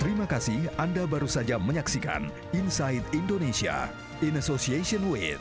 terima kasih anda baru saja menyaksikan inside indonesia in association with